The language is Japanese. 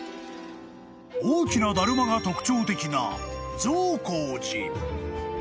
［大きなだるまが特徴的な］